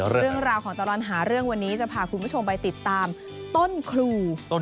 เรื่องราวของตลอดหาเรื่องวันนี้จะพาคุณผู้ชมไปติดตามต้นครู